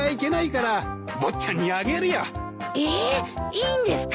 いいんですか？